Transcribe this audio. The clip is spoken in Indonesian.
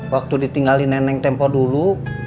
waktu ditinggalin neneng tempo dulu